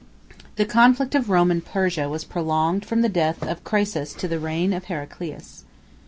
The conflict of Rome and Persia was prolonged from the death of Craesus to the reign of Heraclius.